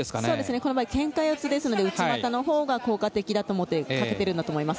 この場合けんか四つですので内股のほうが効果的だと思ってかけているんだと思います。